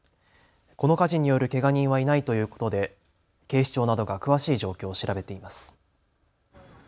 この火事によるけが人はいないということで警視庁などが詳しい状況を調べています。